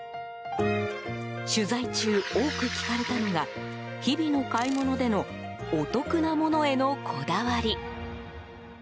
取材中、多く聞かれたのが日々の買い物でのお得なものへのこだわり。